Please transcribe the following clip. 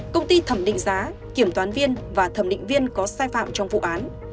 công ty thẩm định giá kiểm toán viên và thẩm định viên có sai phạm trong vụ án